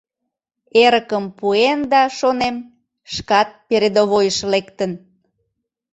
Эрыкым пуэн да, шонем, шкат передовойыш лектын.